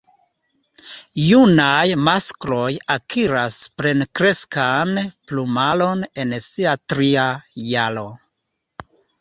Junaj maskloj akiras plenkreskan plumaron en sia tria jaro.